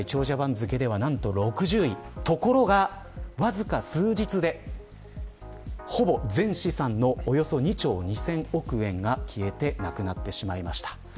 ところが、わずか数日でほぼ全資産のおよそ２兆２０００億円が消えてなくなってしまいました。